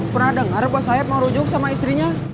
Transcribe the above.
pernah dengar bos saeb mau rujuk sama istrinya